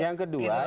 yang kedua mbak